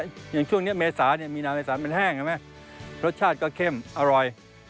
อย่างช่วงนี้เมษามีนางเมษามันแห้งรสชาติก็เข้มอร่อย